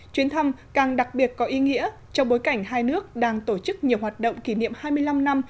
chuyến thăm càng đặc biệt có ý nghĩa trong bối cảnh hai nước đang tổ chức nhiều hoạt động kỷ niệm hai mươi năm năm